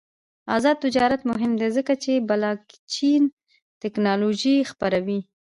آزاد تجارت مهم دی ځکه چې بلاکچین تکنالوژي خپروي.